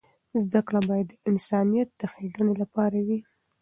زده کړه باید د انسانیت د ښیګڼې لپاره وي.